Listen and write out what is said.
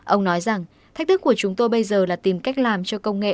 ông nói rằng thách thức của chúng tôi bây giờ là tìm cách làm cho công nghệ